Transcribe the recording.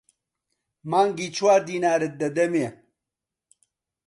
مانگی چوار دینارت دەدەمێ.